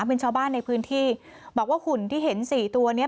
เป็นชาวบ้านในพื้นที่บอกว่าหุ่นที่เห็นสี่ตัวเนี้ย